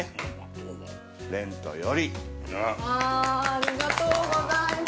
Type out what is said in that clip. ◆ありがとうございます。